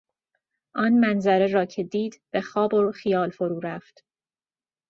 آن منظره را که دید به خواب و خیال فرو رفت.